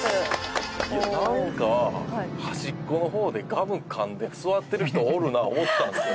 いやなんか端っこの方でガム噛んで座ってる人おるな思ってたんですよ。